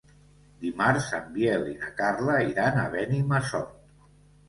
Dimarts en Biel i na Carla iran a Benimassot.